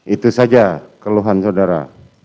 itu saja keluhan saudara